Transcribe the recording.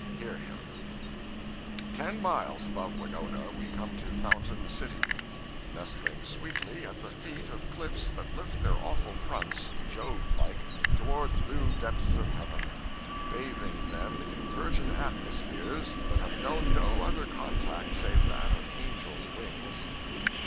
Hear him 'Ten miles above Winona we come to Fountain City, nestling sweetly at the feet of cliffs that lift their awful fronts, Jovelike, toward the blue depths of heaven, bathing them in virgin atmospheres that have known no other contact save that of angels' wings.